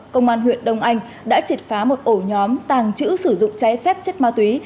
công an huyện đông anh đã triệt phá một ổ nhóm tàng trữ sử dụng cháy phép chất ma túy